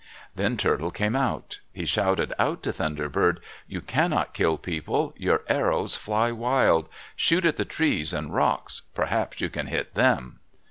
Then Turtle came out. He shouted out to Thunder Bird, "You cannot kill people. Your arrows fly wild. Shoot at the trees and rocks; perhaps you can hit them."